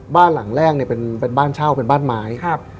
บ้านหลังแรกเนี่ยเป็นบ้านเช่าเป็นบ้านไม้ครับ